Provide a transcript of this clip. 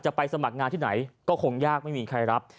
ไปสมัครงานที่ไหนก็คงยากไม่มีใครรับ